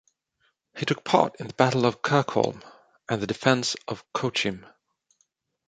He took part in the Battle of Kircholm, and the defense of Chocim.